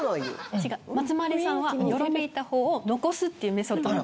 違うまつまりさんはよろめいた方を残すっていうメソッドなの。